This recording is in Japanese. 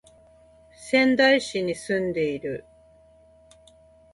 仙台市に住んでいる